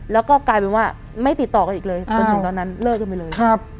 แล้วก็กลายเป็นว่าไม่ติดต่อกันอีกเลยจนถึงตอนนั้นเลิกกันไปเลย